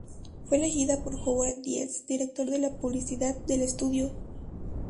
Fue elegida por Howard Dietz, director de publicidad del estudio.